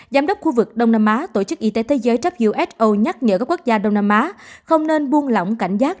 giám đốc khu vực đông nam á tổ chức y tế thế giới who nhắc nhở các quốc gia đông nam á không nên buông lỏng cảnh giác